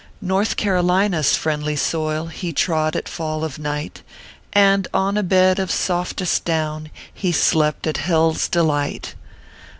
North Carolina s friendly soil He trod at fall of night, And, on a bed of softest down, He slept at Hell s Delight.